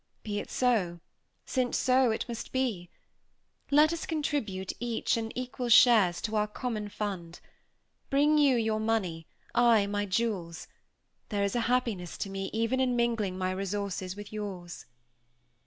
Be it so! since so it must be. Let us contribute, each, in equal shares, to our common fund. Bring you, your money; I, my jewels. There is a happiness to me even in mingling my resources with yours."